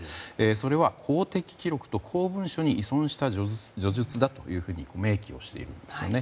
それは法的記録と公文書に依存した叙述だというふうに明記をしているんですよね。